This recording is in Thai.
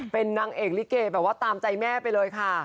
เป็นนังเอกลิเกย์ตามใจแม่ไปเลยค่ะ